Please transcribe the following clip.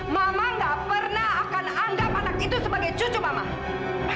mama gak pernah akan anggap anak itu sebagai cucu mama